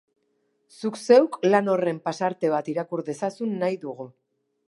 Zuk zeuk lan horren pasarte bat irakur dezazun nahi dugu.